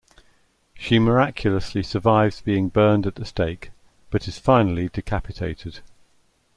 She miraculously survives being burned at the stake, but is finally decapitated.